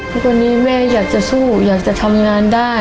ทุกวันนี้แม่อยากจะสู้อยากจะทำงานได้